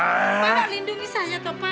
pak lindungi saya pak